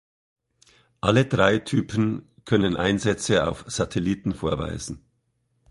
Alle drei Typen können Einsätze auf Satelliten vorweisen.